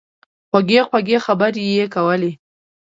خوږې خوږې خبرې به ئې کولې